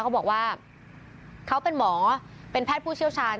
เขาบอกว่าเขาเป็นหมอเป็นแพทย์ผู้เชี่ยวชาญ